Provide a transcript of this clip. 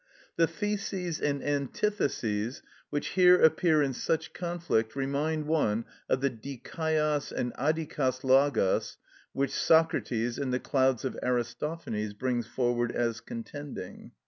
The theses and antitheses which here appear in such conflict remind one of the δικαιος and αδικος λογος which Socrates, in the "Clouds" of Aristophanes, brings forward as contending.